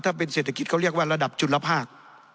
ถ้าเป็นเศรษฐกิจเขาเรียกว่าระดับจุลภาค